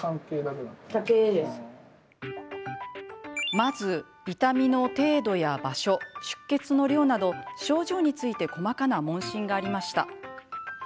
まず、痛みの程度や場所出血の量など症状について細かな問診がありました。